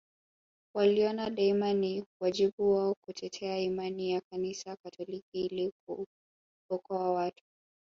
Waliona daima ni wajibu wao kutetea imani ya kanisa katoliki ili kuokoa watu